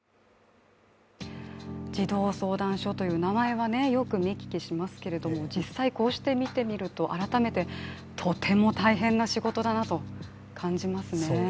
児童相談所という名前はよく見聞きしますけれども実際こうして見てみると、改めてとても大変な仕事だなと感じますね。